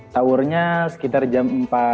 sahurnya sekitar jam empat empat puluh